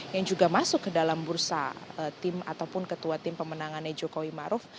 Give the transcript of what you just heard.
yang juga masuk ke dalam bursa tim ataupun ketua tim pemenangannya jokowi maruf